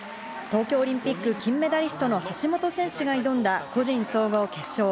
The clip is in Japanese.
東京オリンピック金メダリストの橋本選手が選んだ個人総合決勝。